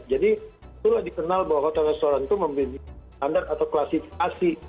jadi sudah dikenal bahwa hotel dan restoran itu memiliki standar atau klasifikasi